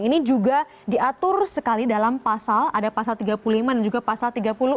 ini juga diatur sekali dalam pasal ada pasal tiga puluh lima dan juga pasal tiga puluh empat